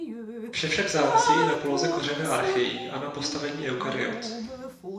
Vše však závisí i na poloze kořene archeí a na postavení eukaryot.